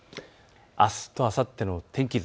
あすとあさっての天気図。